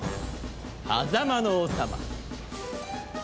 狭間の王様。